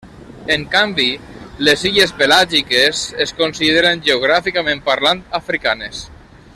En canvi, les illes Pelàgiques es consideren geogràficament parlant africanes.